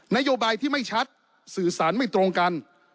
นโยบายที่ไม่ชัดสื่อสารไม่ตรงกัน